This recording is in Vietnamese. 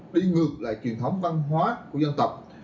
đi ngược lại truyền thống văn hóa của dân tộc